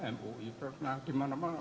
mui pernah dimana mana